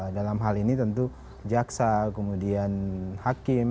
dalam hal ini tentu jaksa kemudian hakim